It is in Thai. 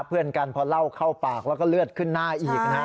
เพื่อนกันพอเล่าเข้าปากแล้วก็เลือดขึ้นหน้าอีกนะฮะ